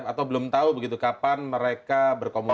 atau belum tahu begitu kapan mereka berkomunikasi